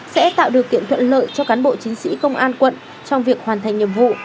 sẽ tạo điều kiện thuận lợi cho cán bộ chiến sĩ công an quận trong việc hoàn thành nhiệm vụ